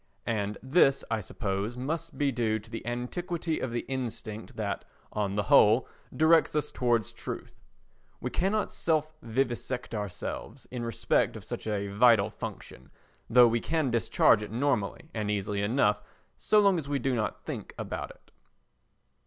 And this I suppose must be due to the antiquity of the instinct that, on the whole, directs us towards truth. We cannot self vivisect ourselves in respect of such a vital function, though we can discharge it normally and easily enough so long as we do not think about it.